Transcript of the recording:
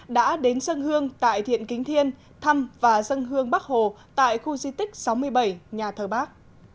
đã đến dân hương tại thiện kính thiên thăm và dân hương bắc hồ tại khu di tích sáu mươi bảy nhà thờ bác